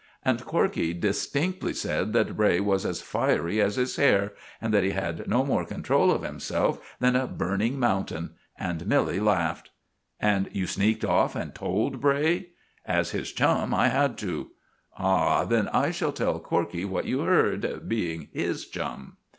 And Corkey distinctly said that Bray was as fiery as his hair, and that he had no more control of himself than a burning mountain; and Milly laughed." "And you sneaked off and told Bray?" "As his chum I had to." "Ah, then I shall tell Corkey what you heard, being his chum."